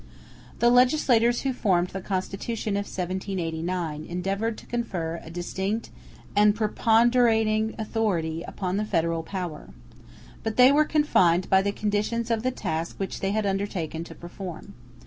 The legislators who formed the Constitution of 1789 endeavored to confer a distinct and preponderating authority upon the federal power. But they were confined by the conditions of the task which they had undertaken to perform.